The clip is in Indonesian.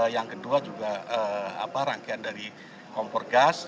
yang kedua juga rangkaian dari kompor gas